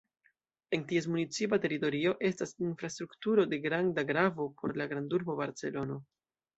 En ties municipa teritorio estas infrastrukturoj de granda gravo por la grandurbo Barcelono.